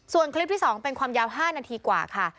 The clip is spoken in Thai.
ส่วนคลิปที่๒เป็นความยาว๕นาทีกว่าค่ะ